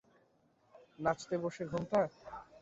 নাচতে বসে ঘোমটা?